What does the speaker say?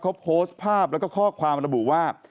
เขาโพสต์ภาพแล้วก็ข้อความระบุว่า